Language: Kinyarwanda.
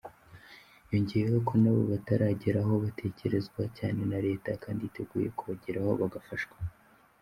Yongeyeho ko nabo batarageraho batekerezwa cyane na leta kandi yiteguye kubageraho bagafashwa.